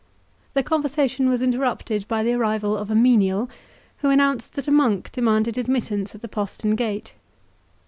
The conversation was interrupted by the arrival of a menial, who announced that a monk demanded admittance at the postern gate.